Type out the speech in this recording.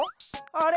あれ？